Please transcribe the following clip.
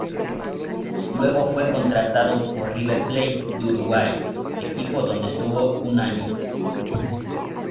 Luego fue contratado por River Plate de Uruguay, equipo en donde estuvo un año.